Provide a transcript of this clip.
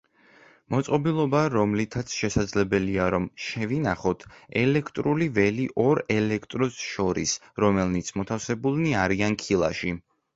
მოწყობილობა, რომლითაც შესაძლებელია რომ „შევინახოთ“ ელექტრული ველი ორ ელექტროდს შორის, რომელნიც მოთავსებულნი არიან ქილაში.